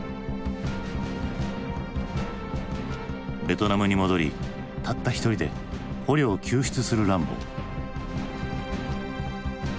ベトナムに戻りたった一人で捕虜を救出するランボー。